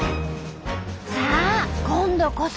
さあ今度こそ！